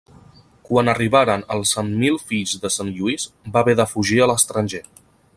Quan arribaren els Cent Mil Fills de Sant Lluís va haver de fugir a l'estranger.